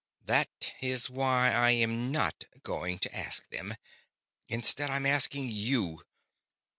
That is why I am not going to ask them. Instead, I am asking you.